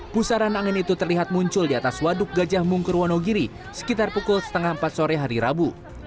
pusaran angin itu terlihat muncul di atas waduk gajah mungker wonogiri sekitar pukul setengah empat sore hari rabu